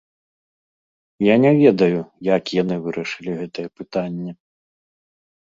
Я не ведаю, як яны вырашылі гэтае пытанне.